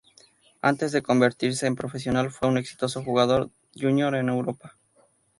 Antes de convertirse en profesional fue un exitoso jugador júnior en Europa.